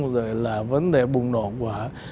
rồi là vấn đề bùng nổ của